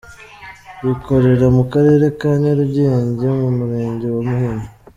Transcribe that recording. rikorera mu Karere ka Nyarugenge mu Murenge wa Muhima.